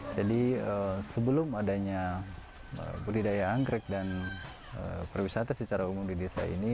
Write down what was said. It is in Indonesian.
jadi sebelum adanya budidaya anggrek dan perwisata secara umum di desa ini